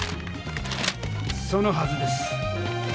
そのはずです。